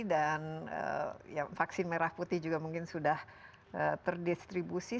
dan vaksin merah putih juga mungkin sudah terdistribusi